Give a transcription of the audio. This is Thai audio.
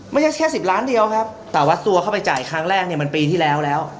ไม่ใช่แค่สิบล้านเดียวครับแต่วัดตัวเข้าไปจ่ายครั้งแรกเนี่ยมันปีที่แล้วแล้ว